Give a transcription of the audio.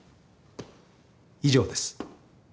以上です。